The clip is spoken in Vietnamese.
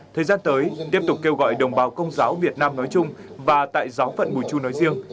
thời gian tới tiếp tục kêu gọi đồng bào công giáo việt nam nói chung và tại giáo phận bùi chu nói riêng